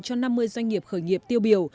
cho năm mươi doanh nghiệp khởi nghiệp tiêu biểu